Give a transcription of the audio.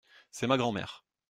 C’est ma grand-mère.